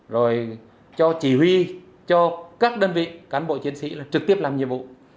rồi cho chỉ huy cho các đơn vị cán bộ chiến sĩ là trực tiếp làm nhiệm vụ